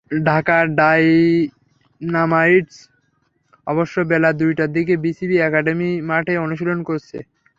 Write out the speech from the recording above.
Dhaka Dynamites অবশ্য বেলা দুইটার দিকে বিসিবি একাডেমি মাঠে অনুশীলন করেছে।